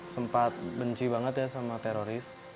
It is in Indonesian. sempat benci banget ya sama teroris